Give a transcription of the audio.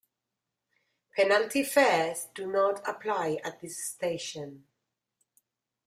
Penalty fares do not apply at this station.